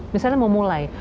misalnya mau mulai